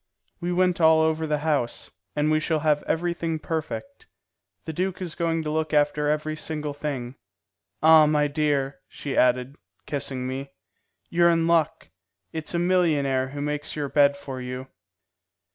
"We went all over the house, and we shall have everything perfect. The duke is going to look after every single thing. Ah, my dear," she added, kissing me, "you're in luck; it's a millionaire who makes your bed for you."